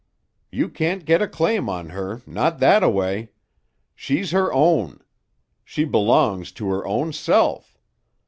You can't get a claim on her, not thataway. She's her own. She belongs to her own self.